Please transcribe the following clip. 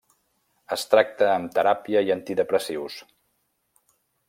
Es tracta amb teràpia i antidepressius.